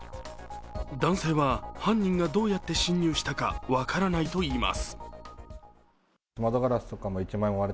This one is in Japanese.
男性は犯人がどうやって侵入したか分からないといいます。